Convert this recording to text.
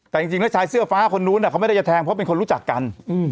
แต่จริงแล้วชายเสื้อฟ้าคนนู้นเขาไม่ได้จะแทงเพราะเป็นคนรู้จักกัน